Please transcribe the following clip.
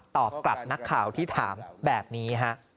ตอบกลับนักข่าวที่ถามแบบนี้ฮะ